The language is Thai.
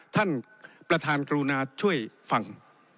ท่านประธานกรุณาช่วยฟัง